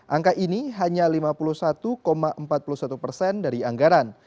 angka ini hanya lima puluh satu empat puluh satu persen dari anggaran